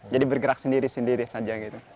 jadi bergerak sendiri sendiri saja